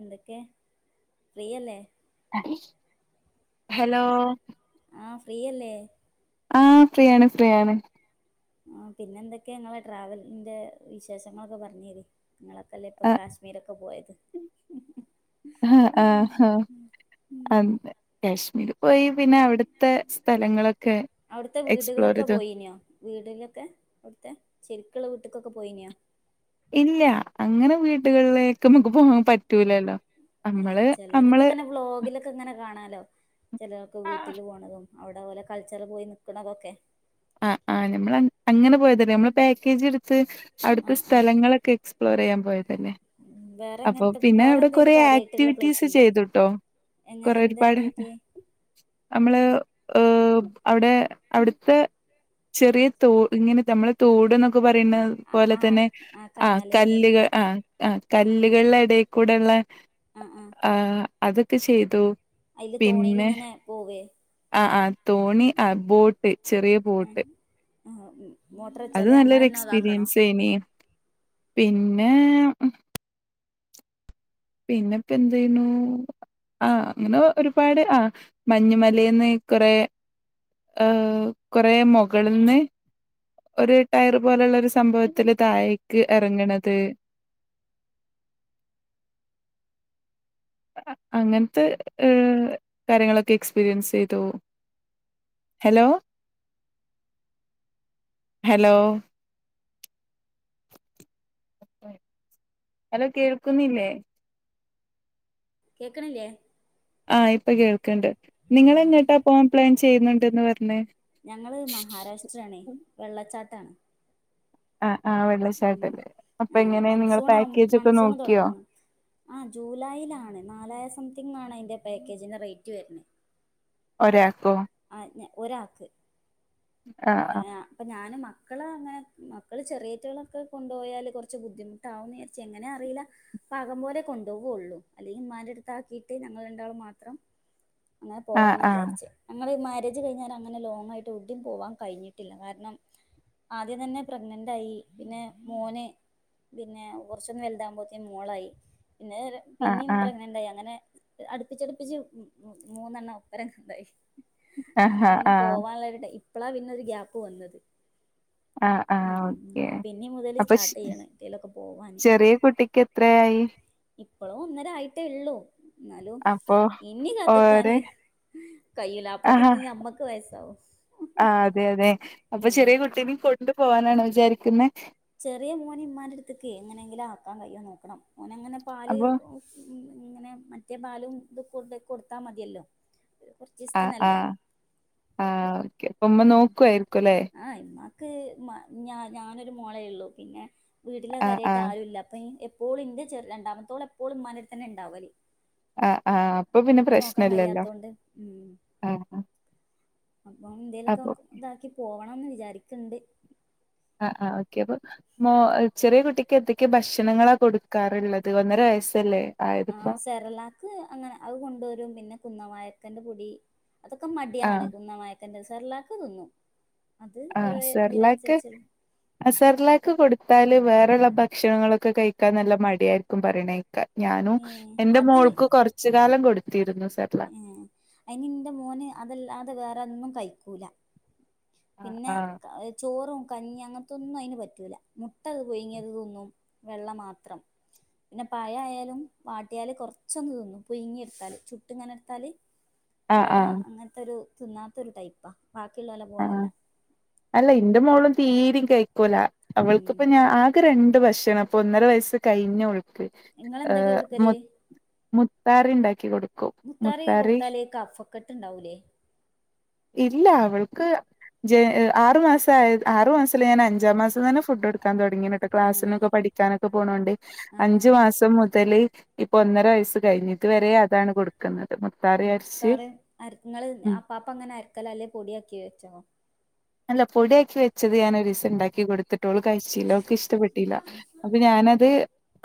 എന്തൊക്കെ ഫ്രീയല്ലേ? ഹലോ ആ ഫ്രീയല്ലേ? ആഹ് ഫ്രീയാണ് ഫ്രീയാണ്. ആ പിന്നെ എന്തൊക്കെയാ നിങ്ങളെ ട്രാവൽൻ്റെ വിശേഷങ്ങളൊക്കെ പറഞ്ഞരി. നിങ്ങളൊക്കെ അല്ലേ ഇപ്പൊ കാശ്മീരൊക്കെ പോയത്. ആഹ് ആഹ് ആഹ് ആഹ് കാശ്മീര് പോയി പിന്നെ അവിടുത്തെ സ്ഥലങ്ങളൊക്കെ അവിടുത്തെ എക്സ്പ്ലോർ വീടുകളൊക്കെ ചെയ്തു പോയിനോ വീടിലൊക്കെ അവിടുത്തെ ചെരി ക്ക്ള്ള വീട്ട്ക്കൊക്കെ പോയിന്യോ ഇല്ല അങ്ങനെ വീടുകളിലേക്ക് നമുക്ക് പോവാൻ പറ്റൂലല്ലോ. ഏ നമ്മള് ചിലരൊക്കെ നമ്മള് ഇങ്ങനെ വ്ലോഗിലൊക്കെ ഇങ്ങനെ കാണാൻ ലോ ചിലരൊക്ക് ആഹ് വീട്ടില് പോണതും അവിടെ ഓലെ കൾച്ചർ പോയി നിക്കണതൊക്കെ. ആഹ് ആഹ് നമ്മള അങ്ങനെ പോയതു നമ്മള് പാക്കേജ് ഇട്ത്ത് അവിടുത്തെ ആഹ് ആഹ് സ്ഥലങ്ങളൊക്കെ എക്സ്പ്ലോർ ചെയ്യാൻ പോയതല്ലേ വേറെ അപ്പൊ എങ്ങനത്തെ പിന്നെ വേറെ അവിടെ എന്തെലും കൊറേ കാര്യമായിട്ടുള്ള പ്ലേസ് ആക്ടിവിറ്റീസ് ഉണ്ടോ ചെയ്തുട്ടോ എങ്ങ കൊറേ എന്ത് ഒരുപാട് ആക്ടിവിറ്റി നമ്മള് ഏഹ് അവിടെ അവിടുത്തെ ചെറിയ തോ ഇങ്ങനെ നമ്മളെ തോട് എന്നൊക്കെ പറ [unintelligible] ആ പോലെ ആ തന്നെ ആ ആഹ് കനാല് പോലത്തെ കല്ലുകൾ ആഹ് ആഹ് ആ ആ കല്ലുകളുടെ എടേൽ കൂടെള്ള ആ ആഹ് അതൊക്കെ ചെയ്തു. അയില് തോണിൽ പിന്നെ ങ്ങനെ പോവേ. ആ ആ തോണി ആ ബോട്ട് ചെറിയ ബോട്ട് ഓ ഉം അത് നല്ലൊരു എക്സ്പീരിയൻസ് ഏനി പിന്നെ പിന്നെ പ്പം എന്തയ്ണൂ ആഹ് അങ്ങനെ ഒരുപാട് ആഹ് മഞ്ഞുമലേന്ന് കൊറേ കൊറേ മൊകള്ന്ന്. ഒരു ടയർ പോലുള്ള ഒരു സംഭവത്തില് താഴേക്ക് എറങ്ങണത്. അങ്ങനത്തെ ഏ കാര്യങ്ങളൊക്കെ എക്സ്പീരിയൻസ് ചെയ്തു. ഹലോ ഹലോ ഹലോ കേൾക്കുന്നില്ലേ, കേക്ക്ണില്ലേ ആഹ് ഇപ്പം കേൾക്ക്ണ്ട് നിങ്ങൾ എങ്ങട്ടാ പോവാൻ പ്ലാൻ ചെയ്യുന്നുണ്ടന്ന് പർഞ്ഞേ ഞങ്ങള് ട്ടാണ്. ആ ഉം ആ നിങ്ങൾ മൺസൂൺ ആ പാക്കേജ് ഒക്കെ മൺസൂൺ നോക്കിയോ? തുടങ്ങണം ആ ജൂലൈയിലാണ് നാലായിര സം തിങ്ങാണ് അതിൻ്റെ പാക്കേജിന്റെ റേറ്റ് വര്ണത് ഒരാക്കോ ആ ഞ ഒരാക്ക് ആഹ് അ അപ്പം ഞാനും മ മക്കൾ അങ്ങനെ മക്കള് ചെറിയേറ്റങ്ങളൊക്കെ കൊണ്ടുപോയാല് കുറച്ച് ബുദ്ധിമുട്ടാവുന്ന് വിചാരിച്ച് എങ്ങനെ അറീല്ല പാകം പോലെ കൊണ്ടോവെള്ളു. അല്ലെങ്കിൽ ഉമാന്റെ അടുത്ത ആക്കിയിട്ട് ഞങ്ങൾ രണ്ടാളും മാത്രം. അങ്ങനെ ആഹ് പോവാന്ന് ആഹ് വിചാരിച്ച് ഞങ്ങള് മ രേജ് കഴിഞ്ഞാരെ അങ്ങനെ ലോങ്ങായിട്ട് ഔടിം പോവാൻ കഴിഞ്ഞിട്ടില്ല കാരണം ആദ്യം തന്നെ പ്രഗ്നന്റയി. പിന്നെ മോന് പിന്നെ കുറച്ചൊന്ന് വലുതാകുമ്പോഴത്തേ മോളായി പിന്നെ ആഹ് പിന്നിം ആഹ് പ്രഗ്നെന്റായി അങ്ങനെ, അടുപ്പിച്ചടുപ്പിച്ച് മൂന്നെണ്ണം, ഒപ്പര ഉണ്ടായി ആഹ് അങ്ങനെ ആഹാ പിന്നെ ആഹ് പോവാനുള്ള രു ടൈം. പ്പളാ പിന്നൊരു ഗ്യയാപ്പ് വന്നത് ആ ആ ഓക്കെ, ഉം പിന്നെ മുതൽ അപ്പൊ സ്റ്റാർട്ട് ചെയ്യണം എവിടേലൊക്കെ പോവാന് ചെറിയ കുട്ടിക്ക് എത്രയായി. പ്പളും ഒന്നരേ ആയിട്ടേ ള്ളൂ ന്നാലും അപ്പൊ ഇനി ഓര് കാത്ത്ക്കാന് കയിയൂല. അപ്പോത്തിനും മ്മക്ക് വയസാവും ആ അതെ അതെ അപ്പൊ ചെറിയ കുട്ടിനെ കൊണ്ട്. പോവാനാണ് വിചാരിക്കുന്നത് ചെറിയ മോന ഉമമാന്റെ അടുത്തേക്ക് എങ്ങനെങ്കിലും ആക്കാൻ കഴിയോ നോക്കണം ഓന അങ്ങനെ പാല് അപ്പൊ [unintelligible] ഇങ്ങനെ മറ്റേ പാലും ഇത് കൊ കൊടുത്താ മതിയല്ലോ. ആ ആ കൊറച്ചീസത്തിനല്ലേ ആ ഓക്കെ, അപ്പൊ മ്മ ഉം നോക്കുയിരിക്കു ല്ലേ [unintelligible] ഞാനൊരു മോളേയുള്ളു പിന്നെ വീട്ടില് ആഹ് കാര്യായിട്ട് ആഹ് ആരുമില്ല അപ്പൊ [unintelligible] [unintelligible] ഇന്റെ ചെറി രണ്ടമത്തോള് എപ്പോഴും ഉമ്മാന്റെടുത്ത് തന്നെ ഉണ്ടാവല് ആ ആ അപ്പൊ പിന്നെ പ്രശ്നില്ലല്ലോ കഴിയാത്തോണ്ട് ആ അപ്പൊ എന്തേലൊക്കെ ഇതാക്കി പോ പോണന്ന് വിചാരിക്കണ്ട് ആ ആ ഓക്കെ അപ്പൊ മോ ചെറിയ കുട്ടിക്ക് എന്തൊക്കെ ഭക്ഷണങ്ങളാ കൊടുക്കാറുള്ളത് ഒന്നര വയസ്സല്ലേ ആ ആയതിപ്പോ സെറളാക്ക് അങ്ങനെ അത് കൊണ്ടുവരും പിന്നെ കുന്നവായ [unintelligible] പൊടി അതൊക്കെ മടിയാണ് ആഹ് തിന്നമാ എന്റെ സെറലാക്ക് തിന്നും അത് ആ ഓരോ സർലാക്ക് ഇതിനനുസരിച്ച് ആ സർലാക്ക് കൊടുത്താല് വേറെ യുള്ള ഭക്ഷണങ്ങളൊക്കെ കഴികാൻ നല്ല മടിയായിരിക്കും പറിയിണേ കെ ഞാനും ഏഹ് എന്റെ മോൾക്ക് കുറച്ച് കാലം കൊടു തീരുന്നു സ് ഉം അയിൻ ഇന്റെ മോന് അതല്ലാതെ വേറൊന്നും കൈക്കൂല ആഹ് പിന്നെ ആഹ് ക ചോറും കഞ്ഞി അങ്ങനത്തൊന്നും അയിന് പറ്റൂല മുട്ട പുഴുങ്ങിയത് തിന്നും വെള്ള മാത്രം പിന്നെ പഴം ആയാലും വാട്ടിയാൽ കുറച്ചൊന്ന് തിന്നും പുഴുങ്ങി എടുത്താൽ ചു ട്ട് ഇങ്ങനെ എടുത്താല് ആഹ് അല്ലാതെ ആഹ് അങ്ങൻത്തൊരു തിന്നാത്തൊരു ടൈപ്പാ ബാക്കിയുള്ളോലെ ആഹ് പോലല്ല അല്ല ഇന്റെ മോളും തീരീം കഴി ക്കൂല ഉം അവൾക്കിപ്പ ഞാൻ ആകെ രണ്ട് ഭക്ഷണം അപ്പോ ഒന്നര വയസ്സ് കഴിഞ്ഞോ ക് ഏ നിങ്ങളെന്തൊക്കെയാ കൊടുക്കല് മൊ മു താറി ഇണ്ടാക്കി കൊടുക്കും മുത്താറി കൊടുത്താല് കഫക്കെട്ട് ഇണ്ടാവൂലേ ഇല്ല അവൾ. ക്ക് ജെ ആറ് മാസായി. ആറു മാസത്തില് ഞാൻ അഞ്ചാം മാസം തന്നെ ഫുഡ് കൊടു ത്താൻ തൊടങ്ങീന്നക്കെ. ഏഹ് ക്ലാസിനൊക്കെ പഠിക്കാനെ പോണോണ്ടെ ആഹ് അഞ്ചു ആഹ് മാസം മുതല് ഇപ്പൊ ഒന്നര വയസ്സ് കഴിഞ്ഞ് ഇതു വരെ അതാണ് കൊട്ക്ക്ന്നത്. എ മുത്താറ് അര ഇങ്ങള് ഉം അപ്പാപ്പം ങ്ങനെ അര്ക്കലാലെ പൊടിയാക്ക്യ ച്ചാം അല്ലപ് പൊടിയാക്കി വെച്ചത് ഞാനൊരു സ്‌പൂ ഇണ്ടാക്കി കൊടുത്ത് ട്ടോള് കഴിച്ചില്ല ഓള്ക്ക് ഇഷ്ടപ്പെട്ടില്ല. ഉം അപ്പൊ ഞാനത്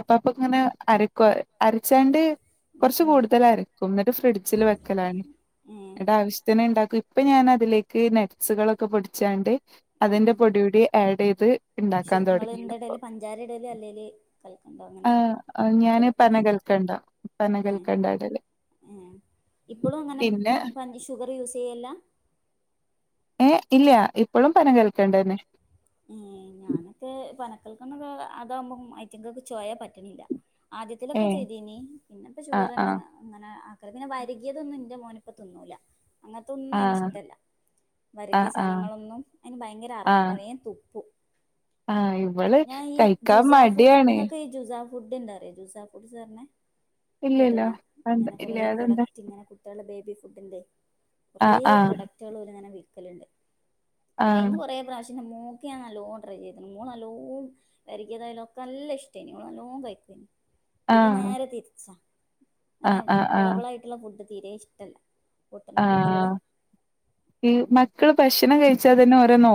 അപ്പാപ്പം ഇങ്ങനെ അരക്ക്വ അരച്ചാണ്ട് ഉം കൊറ്ച്ച് ഉം കൂടുതലരക്കും ന്നട്ട് ഫ്രിഡ്ജിൽ വെക്കലാണ്. ഉം ഏഹ് ന്നട്ട് ആവശ്യത്തിന് ഇണ്ടാ ഇപ്പൊ ഞാനതിലേക്ക് നെട് സുകളൊ ഒക്കെ പൊട്ച്ചാണ്ട് അതിന്റെ പൊടി ഊടി ഏട് എയ്ത് ഷു നിങ്ങൾ എന്ത ഇടല് പഞ്ചാര ഇടല് അല്ലെല് കൽക്കണ്ടോ ആ അങ്ങനെ ഞാന് മധുരത്തിന് പനകൽക്കണ്ട ഏ പനകൽക്കണ്ട ഇടല് ഏ ഇപ്പോഴും അങ്ങനെ പിന്നെ പ ഷുഗർ യൂസ് ചെയ്യലില്ല ഏ ഇല്ല ഇപ്പോഴും പനം കൽകണ്ടംന്നെ ഏ ഞാനപ്പോ പനക്കൽക്കണ്ടം അതാവുമ്പോ ഐറ്റങ്ങൾക്ക് ചൊയ പറ്റുനില്ല ഏ ആദ്യത്തിലൊക്കെ ചെയ്തീനി പിന്നെപ്പ ആ ആ ഷുഗർന്നെ അങ്ങനെ ഇപ്പൊ വരകിയതൊന്നും ന്റെ മോന് ഇപ്പോ തിന്നൂലാ അങ്ങനെത്തൊന്നും ആ അതിന് ഇഷ്ടല്ല. ആ വരകിയ ആ സാധനങ്ങളൊന്നും അതിന് ഭയങ്കര അറപപ്പാ വേ ആ ഇവള് ഈ കഴിക്കാൻ ജുസാ ഫുഡ് മടിയാണ്. ഇങ്ങക്ക് ഈ ജുസാ ഫുഡ് എന്താ അറിയോ ജൂസാ ഫുഡ്‌ പറഞ്ഞാ ഇല്ലല്ലോ കേട്ട്ണോ അതെന്താ ഇങ്ങനെ കൊറേ ഇല്ല അതെന്താ പ്രൊഡക്റ്റ് ഇങ്ങനെ കുട്ടികളുടെ ബേബി ഫുഡ്‌ എന്തെ കുറേ ആഹ് ആഹ് പ്രൊഡക്റ്റുകൾ ഇവിടുന്നങ്ങ് വിറ്റ്. ക്കലുണ്ട് ആഹ് ഐന്നു കൊറേ പ്രാവശ്യ ന്റെമ്മോ ക്ക ഞാൻ നല്ലോ ട്രൈ ചെയ്തത് മോൾക്ക്‌ ഞാൻ നല്ലോണം ട്രൈ ചെയ്തീനി. മോള് നല്ലോം വരക്കി യതായാലും ഓക്ക് നല്ല ഇഷ്ടെനി നല്ലോണം കഴിക്കും ഇത് നേരെ ആഹ് തിരിച്ചാ അങ്ങനെ ആഹ് ബളബളായിട്ടുള്ള ഫുഡ് തീരേ ഇഷ്ടല്ല. പൊട്ടുന്ന ആ ഫുഡുകള് ഈ ഉം മക്കള് ഭക്ഷണം കഴിച്ചാൽ തന്നെ ഓരെ നോ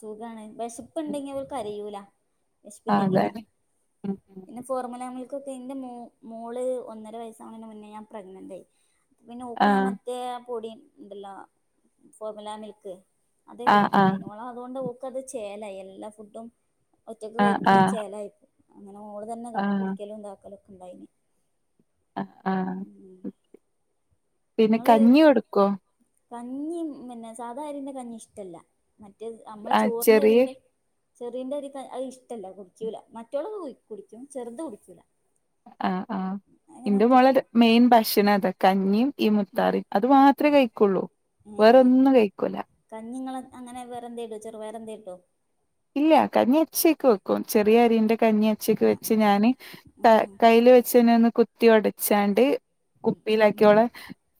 സുഖാണ് വിശെപ്പ് ഇണ്ടെങ്കി അവൾ കരയൂല ആഹ് വിശപ്പില്ലെങ്കിലെ അതാണ് ഉം ഉം പിന്നെ ഫോർമുല മിൽ ക്കൊക്കേ ഇന്റെ മോ മോള് ഒന്നര വയസ്സാവണേന് മുന്നേ ഞാൻ പ്രെഗ്നന്റായി പിന്നെ ഓക്ക് ഞാൻ ആഹ് മറ്റേ പൊടി ഇണ്ടല്ലോ ഫോർമുല മിൽക്ക് അതെ ആഹ് കൊടുക് ആഹ് കലെണ്ടേനു ഓളതോണ്ട് ഓ ക്കത് ചേലായി എല്ലാ ഫുഡും ഒറ്റക്ക് ആഹ് കഴിക്ക് ആഹ് ചേലായിപ്പൊ അങ്ങനെ ഓള്തന്നത് ആഹ് കുടിക്കലും ഇതാക്കലും. ഉണ്ടായിനി അ ആ പിന്നെ ഇങ്ങള് കഞ്ഞികൊടുക്കോ? കഞ്ഞി പിന്നെ സാദാ അരീൻ്റെ കഞ്ഞി ഇഷ്ടമല്ല മറ്റേത് നമ്മള് ആഹ് ചോറിന്റെ ചെറിയ അരീൻ്റെ ചെറീന്റെ അരിക്കെ അത് ഇഷ്ടമില്ല കുടിക്കൂല മറ്റോള് കുടിക്കും ചെറുത് കുടിക്കൂല ആ ആ അങ്ങനെ എന്റെ മോളുടെ തുപ്പും മെയിൻ ഭക്ഷണവാ അത് കഞ്ഞിയും ഈ ഉം മുത്താറിം അത് മാത്രേമേ കഴിക്കുള്ളൂ വേറൊന്നും കഴിക്കൂല കഞ്ഞിങ്ങളങ്ങനെ വേറെന്തേടോ ചെറുവയറെന്തെ ടോ ഇല്ല കഞ്ഞിച്ചക്ക് വെക്കും ചെറിയ അരീന്റെ കഞ്ഞിച്ചക്ക് ആഹ് വെച്ച് ഞാന് ക ഉം ഉം കയ്ല് വെച്ച് പിന്നൊന്ന് കുത്തിടച്ചാണ്ട് ഉം ഉം ഉം കുപ്പിയിലാക്കിഓളെ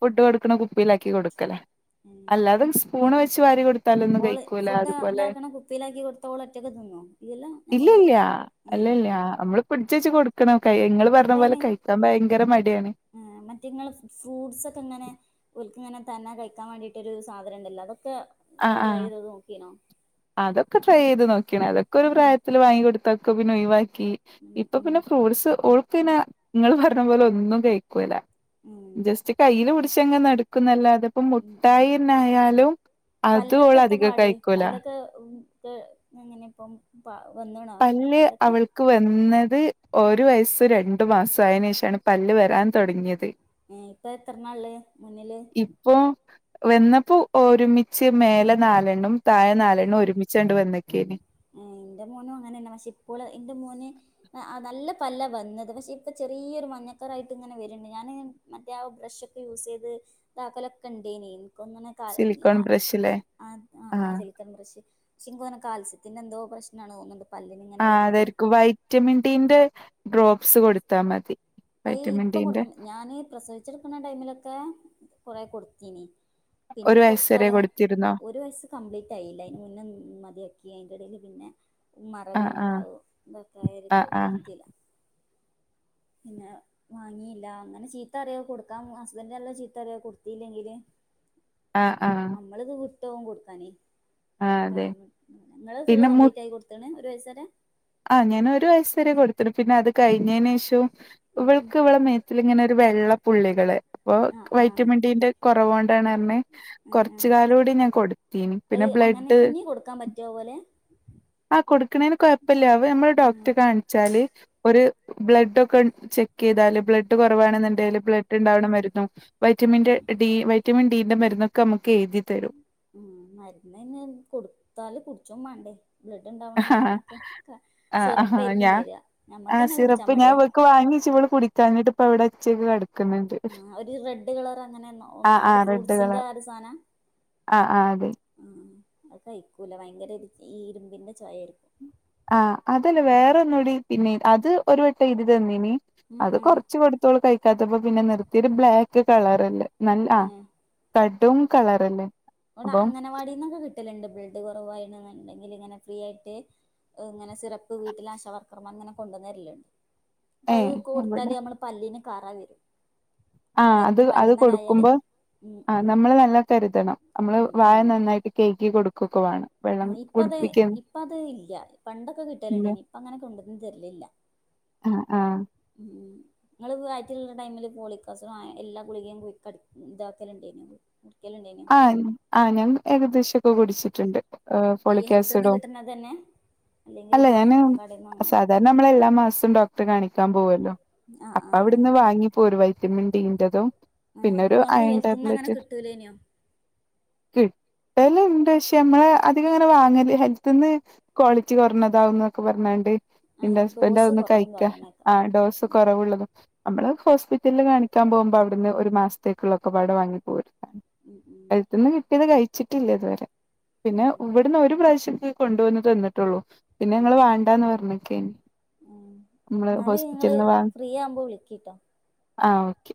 ഫുഡ് കൊടുക്ക ക്ക്ണ കുപ്പീലാക്കി കൊടുക്കലാ ഉം അല്ലാതേം സ്പൂൺവെ ച്ചവാരി കൊടു ഓള് ഫുഡ്താക്ക്ണ കുപ്പീലാക്കി കൊ ഓള് ഒറ്റക്ക് തിന്നോ ഇല്യല്ലോ നമ്മള് ആ പിട്ച്ചച്ച് കൊടുക്കണം കൈ ഇങ്ങള് പറഞ്ഞ പോലെ ഇപ്പഐന് കഴിക്കാൻ ഭയങ്കര മടിയാണ് ഏ മറ്റങ്ങള് ഫ്രൂട്ട്സൊക്കെങ്ങനെ ഓൽക്ക്ങ്ങനെ തന്നെ കഴിക്കാവേണ്ടിട്ട് ഒരു സാധനംണ്ടല്ലോ അതൊ ക്കെ ആഹ് ങ്ങള് ആഹ് ഡ്രൈയ്ത് നോക്കീണോ അതൊക്കെ ട്രൈ ചെയ്ത് നോക്കിയണേ അതൊക്കെ ഒരു ഉം പ്രായത്തില് വാങ്ങി കൊടുത്ത ക്കൊ പിന്നെ ഒഴിവാ ക്കീ ഉം ഇപ്പൊ ഉം പിന്നെ ഫ്രൂട്സ് ഓൾ പിന്നെ നിങ്ങൾ പറഞ്ഞ പോലെ ഒന്നും കേക്കൂല ഉം ജസ്റ്റ് കയ്യില് പിട് [unintelligible] അതിപ്പോ ഉം ഉം മുട്ടായി തന്നെ ആയാലും അത് ഓള് അധികം കഴിക്കൂല അങ്ങനെ ഇപ്പം പ പല്ല് അവൾക്ക് വന്ന് ത് ഒരു വയസ്സ് രണ്ടു മാസം ആയതിന് ശേഷാണ് പല്ല് വരാൻ തൊടങ്ങിയത് മ് ഇപ്പ എത്രണ്ണാ ഉള്ളേ മുന്നില് ഇപ്പോ വന്നപ്പോ ഒരുമിച്ച് മേലെ നാല് ണും തായെ ആഹ് നാലെണ്ണം ഒരുമിച്ചണ്ട് വന്നക്കേന് അങ്ങനെന്ന പക്ഷേ ഇപ്പോല് എൻ്റെ മോന് ആ നല്ല പല്ല വന്നത് പക്ഷേ ഇപ്പൾ ചെറിയൊരു മഞ്ഞക്കറായിട്ട് ഇങ്ങനെ വരുന്നുണ്ട് ഞാന് മറ്റേ ആ ബ്രഷൊക്കെ യൂസ് ചെയ്ത് ഇതാക്കലൊക്കെ ഉണ്ടെനീ [unintelligible] കരഞ്ഞു സിലിക്കോൺ ആ ബ്രഷിലെ അ ആഹ് സിലിക്കൺ ബ്രഷ് [unintelligible] കാൽസ്‌ പിന്നെന്തോ പ്രശ്നാണ് തോന്നുന്നുണ്ട് പല്ലിന് ആ ഇങ്ങനെ വരുന്നത് അതായിരിക്കും വൈറ്റമിൻ ഡി ന്റെ ഡ്രോപ്സ് കൊടുത്താ മതി അയ് വൈറ്റമിൻ ഇപ്പൊ ഡിന്റെ കൊടുക്ക ഞാന് പ്രസവിച്ചെടക്കണ ടൈമിലൊക്കെ കൊറെ കൊടുത്തീനി ഒരു പിന്നെ വയസ് കൊറച്ച് വരെ കാലം ക കൊടുത്തിരുന്നോ ഒരു വയസ്സ് കംപ്ലീറ്റ് ആയില്ല അതിന് മുന്നേ മതിയ അയിന്റെ എടയില് പിന്നെ ആഹ് മറവിയും അ ആഹ് ഹൗ തൊക്കെ ആയരെ ആഹ് ന്നെ ആഹ് കൊടുത്തീല പിന്നെ മാങ്ങിയില്ല അങ്ങനെ ചീത്ത പറയും കൊടുക്കാ ഹസ്ബന്റെല്ലാം ചീത്ത പറയും കൊടുത്തീല്ലെങ്കില് ആ ആ ട്ടവും കൊടുക്കാനേ ങ്ങള് ഫുള്ള് കപ്ലീറ്റ് ആയി കൊടുത്തേണ് [unintelligible] ആ ഞാന് ഒരു വയസ് വരെ കൊടുത്തിനു പിന്നെ അത് കഴിഞ്ഞതിന് ശേഷവും ഉം ഉം ഇവൾക്ക് ഇവള മേത്തിലിങ്ങനെ വെള്ളപ്പുള്ളികള് അപ്പൊ ആ ആ വൈറ്റമിൻ ഡീന്റെ കൊറേവാ [unintelligible] ആ ആ കൊറച്ച്കാല്കൂടി ഞാൻ കൊടുത്തി പിന്നെ അത് അങ്ങനെ ബ്ല്ഡ് ഇനി കൊടുക്കാൻ പറ്റുവോ പോലെ ആകൊടുക്കണേന് കൊഴപ്പംഇല്ലൃനമ്മള് ആ ഡോക്ടറെ ആ കാണിച്ചാല് ഒരു ബ്ലഡ് ഒക്കെ ചെക്ക് ചെയ്താല് ബ്ലഡ് കുറവാണെന്നുണ്ടെല് ബ്ലഡ് ഉണ്ടാവണ മരുന്നു വൈറ്റമിൻന്റെ ഡി വൈറ്റമിൻ ഡന്റെ മരൊെമുക്ക് ഉ മരുന്നാന്ന് കൊടുത്താല് കുടിച്ചു [unintelligible] മണ്ടേ ആ ആ ആ സിറപ്പായിരിക്കും ഞാൻ തരിക ആ ഞമ്മക്കന്നെ കുടിച്ചാൻ സിറപ്പ് ഞാൻ മടിയാ ഇവൾക്ക് വാങ്ങി വച്ച ഇവള് കുടിക്കഞ്ഞിട്ട് ഇപ്പ ഇവിടെ വെച്ചേക്കുവാ ആ ഒരു റെഡ് കളർ അങ്ങനെ ആഹ് ഒന്നായി് ആഹ് റെഡ് ഫ്രൂട്ട്സിന്റെ കളർ ആ ഒരു സാധനം ആഹ് ആഹ് അതെ അയ് കഴിക്കൂല ഭയങ്കര ഈ ഇരുമ്പിന്റെ ചോയയിരിക്കും ആ അതല്ലേ വേറെന്നുംകൂടി പിന്നെ അത് ഒരു വട്ടം ഇത് തന്നീനി ഉം അത് ഉം കൊറച്ച് കൊടുത്തോളംകഴ [unintelligible] പിന്നെ നിർത്തിയരു ബ്ലാക്ക് കളറ് ഉണ്ട് നല്ല ആ ഉം കടൂം കളറല്ലേ ഇവിടെ അപ്പം അഗംനവാടിന്നൊക്കെ കിട്ടലുണ്ട് ബ്ളഡ് കുറവായി അങ്ങനെ ഉണ്ടെങ്കിൽ ഇങ്ങനെ ഫ്രീ ആയിട്ട് ഇങ്ങനെ സിറപ്പ് വീട്ടിൽ ആശ വർക്കർമാർ ഇങ്ങനെ കൊണ്ടുവന്നരില്ലുണ്ട് ഏഹ് അപ്പംഅത് കൊടുത്താല് അമ്മടെ പല്ലിന് [unintelligible] ആ അത് മരുന്ന് അത് പല്ലുമ്മലായാല് കൊടുക്കുമ്പോ ഉം ആ ഉം നമ്മള് നല്ല തരുതണം നമ്മള് ഉം വായ നന്നായിട്ട് കേക്കി കൊടുക്കു കൊക [unintelligible] വേണം വെള്ളം ഇപ്പ അത കുടിപ്പിക്കാൻ ഇപ്പ അത് ഇല്ല പണ്ടൊക്കെ കിട്ടലുണ്ട് ഇല്ല ഇനി ഇപ്പ അങ്ങനെ കൊണ്ടന്ന് തരിലില്ല ആഹ് ആഹ് ഉ ഞങ്ങള് വയറ്റുലുള്ള ടൈമില് പോളിക്ക്അ സിഡ്അയൺഎല്ലാ ഗുളികയും ഇതാക്കാലുണ്ടിരു ആ ആ ഞാൻ ഏകദേശൊക്കെ കുടിച്ചിട്ടുണ്ട് ഈ ഫോളിക് ഹെൽത്ത്ന്ന് ആസിഡോ, കിട്ടുന്നതന്നെ അല്ലെങ്കില് അല്ല ഇപ്പോ ഞാൻ കടേന്ന് വാങ്ങണോ സാധാരണ നമ്മള് എല്ലാ മാസവും ഡോക്ടറെ കാണിക്കാൻ പോവല്ലോ ആഹ് അപ്പൊ ആഹ് ആഹ് അവിടെന്ന് വാങ്ങിപ്പോരും ഒരു ആഹ് വൈറ്റമിൻഡീൻറ്റതൂംപിന്നെ അപ്പൊ ഒരു ഇങ്ങക്ക് അയൺ ഹെൽത്ത്ന്ന് അങ്ങനെ ടാബ്ലറ്റ് കിട്ടൂലേനോ കിട്ടലുണ്ട്ക്ഷെ നമ്മള് അധികം അങ്ങനെ വാങ്ങല് ഹെൽത്തിന്ന് ക്വാളിറ്റി കുറഞ്ഞതാവകുന്നൊക്കെ പറഞ്ഞാണ്ട് എന്റെ അയിന് ഹസ്ബൻറ് ഡോസ് അതൊന്ന് കൊറവും കഴിക്കാ പറയണേക്കാ ആ ഡോസ് ഉം കുറവുള്ളത് അമ്മള് ഹോസ്പിറ്റലില് കാണിക്കാൻ പോകുമ്പോ അവിടുന്ന് ഒരു മാസത്തേക്കുള്ള ഒക്കെപാട് വാങ്ങി പോരുന്നാണ് ഉം ഉം ചിട്ടിഇല്ല ഇതുവരെ പിന്നെ ഇവിടുന്ന് ഉം ഒരു പ്രാവശ്യത്ത് കൊണ്ട് വന്നു തന്നിട്ടുള്ളൂ പിന്നെ ഞങ്ങൾ ഉം വേണ്ടാന്ന് പറഞ്ഞിക്കെയിന് ഉം നമ്മള് എന്നാല് ഇങ്ങള് ഹോസ്പിറ്റലിന്ന് വേണ്ട ഫ്രീ ആവുമ്പോ വിളിക്കിട്ടോ ആ ഓക്കെ